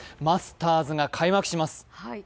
マスターズが開幕します。